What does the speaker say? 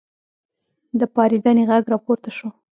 د پارېدنې غږ راپورته شو.